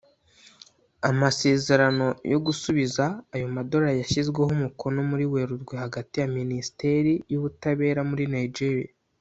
Amasezerano yo gusubiza ayo madolari yashyizweho umukono muri Werurwe hagati ya Minisiteri y’ubutabera muri Nigeria